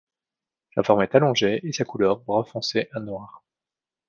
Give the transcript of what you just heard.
Sa forme est allongée et sa couleur brun foncé à noir.